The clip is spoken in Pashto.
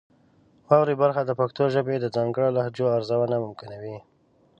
واورئ برخه د پښتو ژبې د ځانګړو لهجو ارزونه ممکنوي.